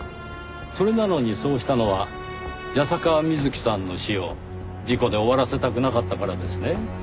それなのにそうしたのは矢坂美月さんの死を事故で終わらせたくなかったからですね？